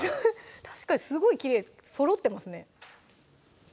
確かにすごいきれいそろってますね